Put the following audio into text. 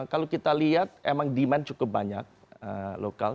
kalau kita lihat emang demand cukup banyak lokal